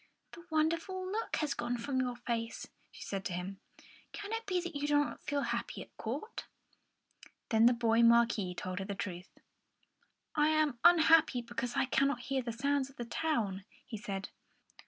"The wonderful look has gone from your face," she said to him. "Can it be that you do not feel happy at court?" Then the boy Marquis told her the truth. "I am unhappy because I cannot hear the sounds of the town," he said.